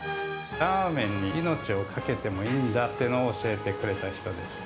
ラーメンに命を懸けてもいいんだっていうのを教えてくれた人